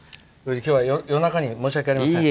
今日は夜中に申し訳ありません。